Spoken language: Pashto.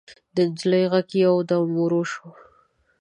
د نجلۍ غږ يودم ورو شو.